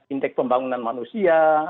indeks pembangunan manusia